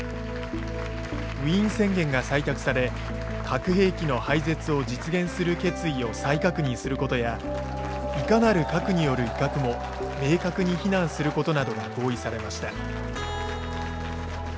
ウィーン宣言が採択され核兵器の廃絶を実現する決意を再確認することやいかなる核による威嚇も明確に非難することなどが合意されました。